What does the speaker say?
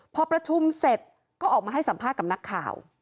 พอประชุมเสร็จก็ออกมาให้สัมภาษณ์กับนักข่าว